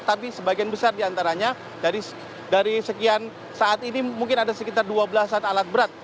tapi sebagian besar diantaranya dari sekian saat ini mungkin ada sekitar dua belas an alat berat